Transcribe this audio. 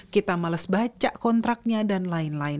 kita males baca kontraknya dan lain lain